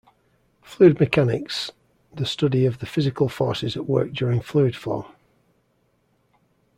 Fluid Mechanics the study of the physical forces at work during fluid flow.